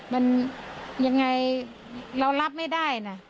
มันยังไงเรารับไม่ได้นะ